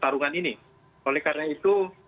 terjamin yang kurang lebih atas